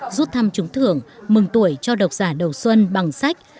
rút thăm chúng thưởng mừng tuổi cho độc giả đầu xuân bằng sách